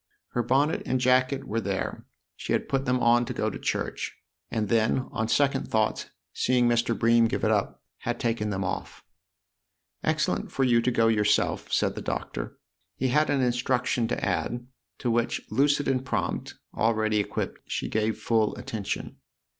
Her bonnet and jacket were there; she had put them on to go to church, and then, on 24 THE OTHER HOUSE second thoughts, seeing Mr. Bream give it up, had taken them off. " Excellent for you to go yourself/' said the Doctor. He had an instruction to add, to which, lucid and prompt, already equipped, she gave full attention.